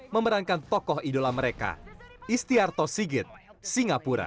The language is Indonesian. memerankan tokoh idola mereka istiarto sigit singapura